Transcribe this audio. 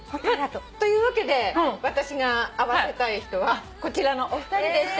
というわけで私が会わせたい人はこちらのお二人でした。